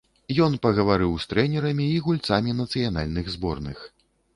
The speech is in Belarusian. Ён пагаварыў з трэнерамі і гульцамі нацыянальных зборных.